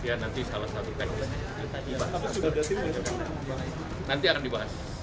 iya nanti salah satu kandidat kita dibahas